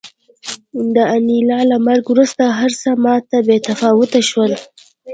د انیلا له مرګ وروسته هرڅه ماته بې تفاوته شول